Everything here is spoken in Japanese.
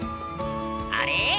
あれ？